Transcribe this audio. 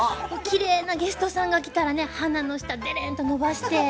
きれいなゲストさんが来たらね鼻の下デレーンと伸ばして。